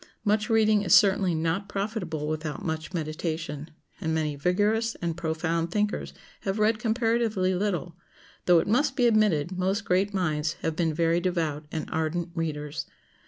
Much reading is certainly not profitable without much meditation, and many vigorous and profound thinkers have read comparatively little, though it must be admitted most great minds have been very devout and ardent readers.